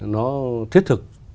nó thiết thực